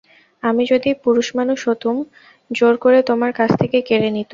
আমি যদি পুরুষমানুষ হতুম জোর করে তোমার কাছ থেকে কেড়ে নিতুম।